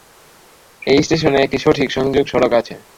এই স্টেশনে একটি সঠিক সংযোগ সড়ক আছে।